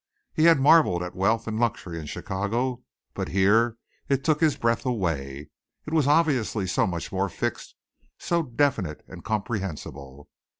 He had marveled at wealth and luxury in Chicago, but here it took his breath away. It was obviously so much more fixed, so definite and comprehensible.